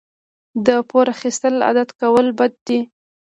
د پور اخیستل عادت کول بد دي.